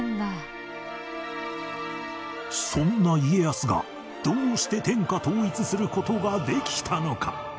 そんな家康がどうして天下統一する事ができたのか？